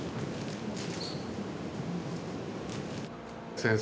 先生